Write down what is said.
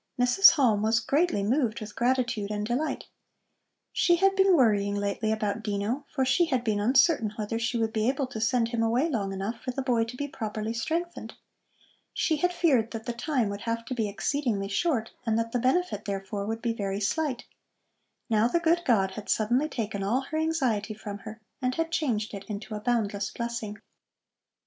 Mrs. Halm was greatly moved with gratitude and delight. She had been worrying lately about Dino, for she had been uncertain whether she would be able to send him away long enough for the boy to be properly strengthened. She had feared that the time would have to be exceedingly short and that the benefit therefore would be very slight. Now the good God had suddenly taken all her anxiety from her and had changed it into a boundless blessing.